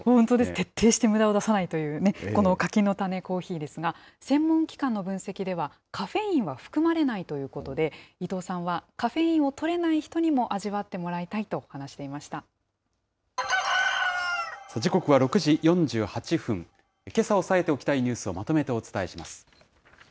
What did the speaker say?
徹底してむだを出さないという、この柿の種コーヒーですが、専門機関の分析では、カフェインは含まれないということで、伊藤さんはカフェインをとれない人にも味わってもらいたいと話していまし時刻は６時４８分、けさ押さえておきたいニュースをまとめてお伝えします。